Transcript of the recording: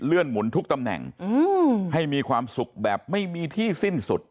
หมุนทุกตำแหน่งให้มีความสุขแบบไม่มีที่สิ้นสุด